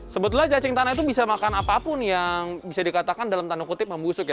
sebetulnya cacing tanah itu bisa makan apapun yang bisa dikatakan dalam tanda kutip membusuk ya